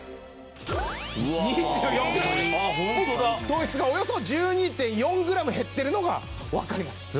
糖質がおよそ１２．４グラム減ってるのがわかります。